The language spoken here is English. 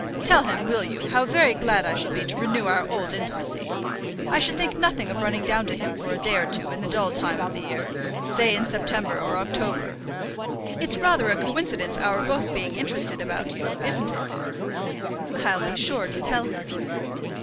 Tell him, will you, how very glad I shall be to renew our old intimacy. I should think nothing of running down to him for a day or two in the dull time of the year, say in September or October. It's rather a coincidence our both being interested about you, isn't it?" "I'll be sure to tell him."